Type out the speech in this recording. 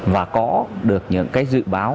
và có được những dự báo